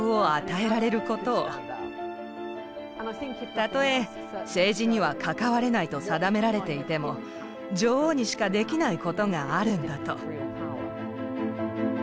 たとえ政治には関われないと定められていても女王にしかできないことがあるんだと。